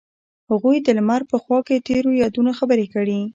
هغوی د لمر په خوا کې تیرو یادونو خبرې کړې.